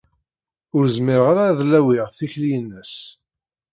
Ur zmireɣ ara ad lawiɣ tikli-ines.